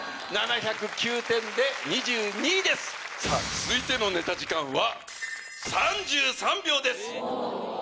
続いてのネタ時間は。